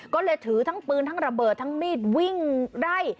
ก็เลยถือทั้งปืนทั้งระเบิดทั้งมีดวิ่งไล่